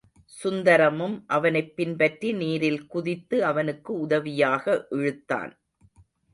சுந்தரமும் அவனைப் பின்பற்றி நீரில் குதித்து அவனுக்கு உதவியாக இழுத்தான்.